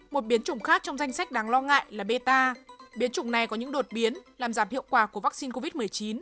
một biến chủng khác trong danh sách đáng lo ngại là beta biến chủng này có những đột biến làm giảm hiệu quả của vaccine covid một mươi chín